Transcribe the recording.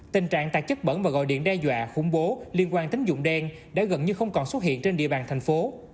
tình trạng tạc chất bẩn và gọi điện đe dọa khủng bố liên quan tính dụng đen đã gần như không còn xuất hiện trên địa bàn thành phố